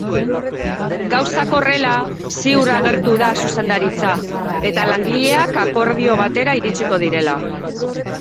Gauzak horrela, ziur agertu da zuzendaritza eta langileak akordio batera iritsiko direla.